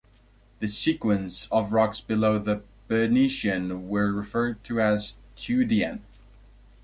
The sequence of rocks below the Bernician were referred to as the Tuedian.